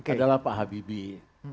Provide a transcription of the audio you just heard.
adalah pak habibie